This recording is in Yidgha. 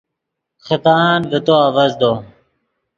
خدان ڤے تو آڤزدو